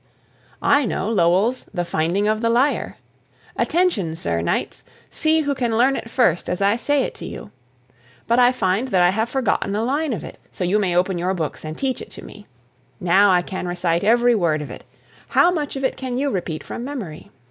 I know Lowell's "The Finding of the Lyre." Attention, Sir Knights! See who can learn it first as I say it to you. But I find that I have forgotten a line of it, so you may open your books and teach it to me. Now, I can recite every word of it. How much of it can you repeat from memory?